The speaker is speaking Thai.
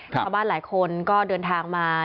ชาวบ้านหลายคนก็เดินทางมา